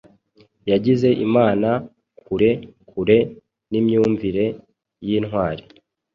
Yagize Imana-kure-kure nimyumvire yintwari